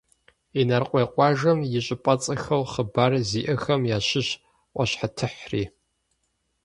Инарыкъуей къуажэм и щӏыпӏэцӏэхэу хъыбар зиӏэхэм ящыщщ «ӏуащхьэтыхьри».